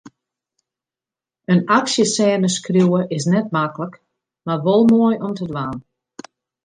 In aksjesêne skriuwe is net maklik, mar wol moai om te dwaan.